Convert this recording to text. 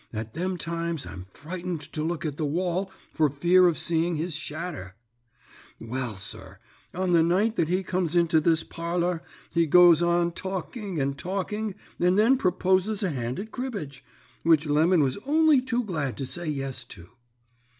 At them times I'm frightened to look at the wall for fear of seeing his shadder. "Well, sir, on the night that he come into this parlour he goes on talking and talking, and then proposes a hand at cribbage, which Lemon was only too glad to say yes to.